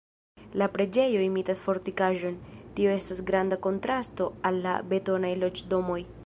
La preĝejo imitas fortikaĵon, tio estas granda kontrasto al la betonaj loĝdomoj.